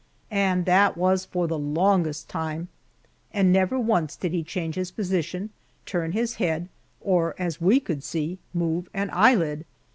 And that was for the longest time and never once did he change his position, turn his head, or, as we could see, move an eyelid!